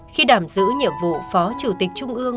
khi đảm giữ nhiệm vụ phó chủ tịch trung ương